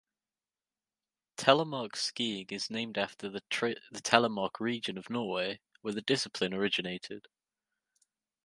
Telemark skiing is named after the Telemark region of Norway, where the discipline originated.